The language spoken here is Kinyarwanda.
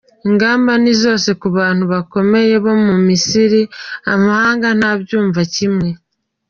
Ingamba ni zose ku bantu bakomeye bo mu Misiri amahanga ntabyumva kimwe.